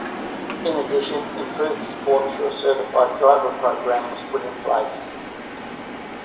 In addition, improved support through a certified driver program was put in place.